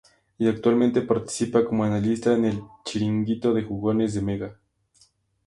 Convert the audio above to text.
Y actualmente participa como analista en El chiringuito de Jugones, de Mega.